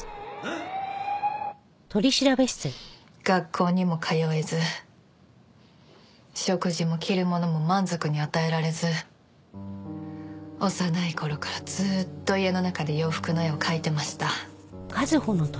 学校にも通えず食事も着るものも満足に与えられず幼い頃からずっと家の中で洋服の絵を描いてました。